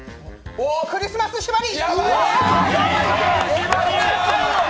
クリスマスしばり！